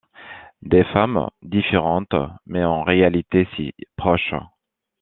Des femmes différentes mais en réalité si proches...